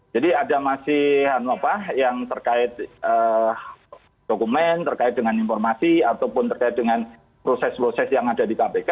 jadi ada masih apa yang terkait dokumen terkait dengan informasi ataupun terkait dengan proses proses yang ada di kpk